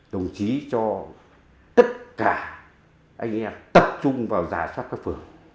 đồng chí cho tất cả anh em tập trung vào giả soát các phường